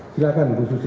silakan ibu susi